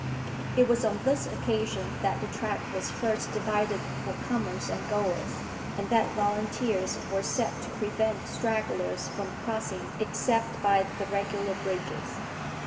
It was on this occasion that the track was first divided for comers and goers, and that volunteers were set to prevent stragglers from crossing except by the regular bridges.